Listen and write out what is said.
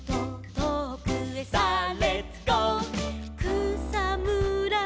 「くさむら